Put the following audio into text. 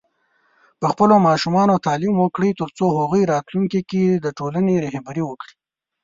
په خپلو ماشومانو تعليم وکړئ، ترڅو هغوی راتلونکي کې د ټولنې رهبري وکړي.